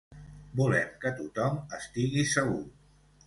Volem que tothom estigui segur.